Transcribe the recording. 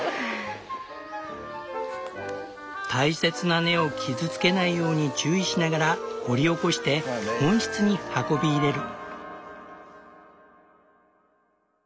大切な根を傷つけないように注意しながら掘り起こして温室に運び入れる。